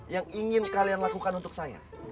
yang ingin kalian lakukan untuk saya